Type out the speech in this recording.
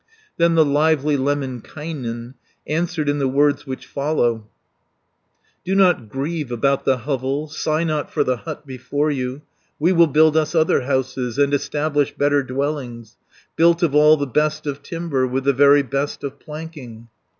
Then the lively Lemminkainen Answered in the words which follow: "Do not grieve about the hovel, Sigh not for the hut before you. We will build us other houses, And establish better dwellings, 340 Built of all the best of timber, With the very best of planking."